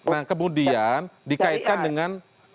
nah kemudian dikaitkan dengan